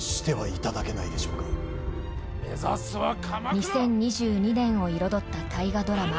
２０２２年を彩った大河ドラマ